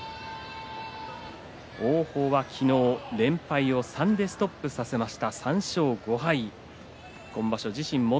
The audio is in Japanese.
王鵬は連敗を３でストップさせました。